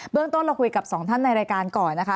เรื่องต้นเราคุยกับสองท่านในรายการก่อนนะคะ